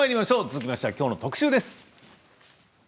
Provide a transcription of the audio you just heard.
続きましてはきょうの特集です。